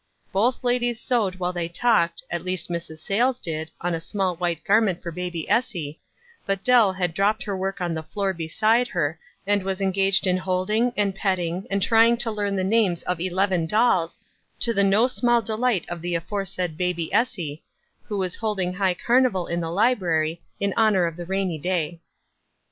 Both ladies sewed while they talked, at least Mrs. Sayles did, on a small white garment for baby Essie ; but Dell had dropped her work on the floor beside her and was engaged in holding, and petting, and trying to learn the names of eleven dolls, to the no small delight of the aforesaid baby Essie, who was holding high carnival in the library, in honor of the rainy day.